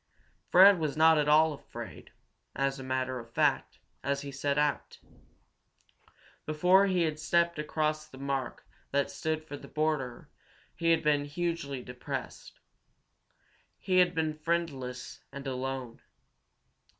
Fred was not at all afraid, as a matter of fact, as he set out. Before he had stepped across the mark that stood for the border he had been hugely depressed. He had been friendless and alone.